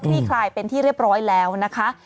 ลี่คลายเป็นที่เรียบร้อยแล้วนะคะ